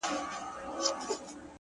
ځوان د خپلي خولگۍ دواړي شونډي قلف کړې!